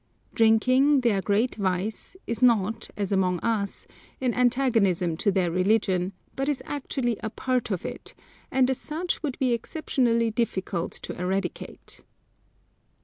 Drinking, their great vice, is not, as among us, in antagonism to their religion, but is actually a part of it, and as such would be exceptionally difficult to eradicate.